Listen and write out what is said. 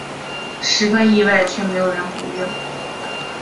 十分意外却没人回应